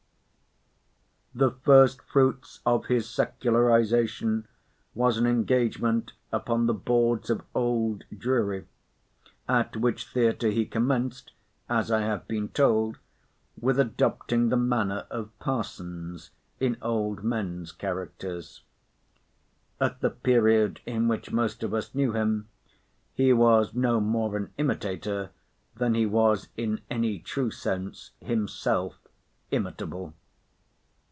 The first fruits of his secularization was an engagement upon the boards of Old Drury, at which theatre he commenced, as I have been told, with adopting the manner of Parsons in old men's characters. At the period in which most of us knew him, he was no more an imitator than he was in any true sense himself imitable.